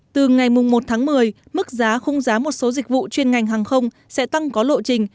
từ ngày một tháng một mươi mức giá khung giá một số dịch vụ chuyên ngành hàng không sẽ tăng có lộ trình